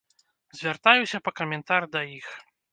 Звяртаюся па каментар да іх.